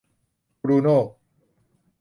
บรูโน่